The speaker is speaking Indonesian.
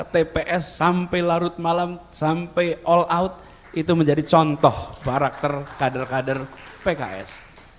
tps sampai larut malam sampai all out itu menjadi contoh karakter kader kader pks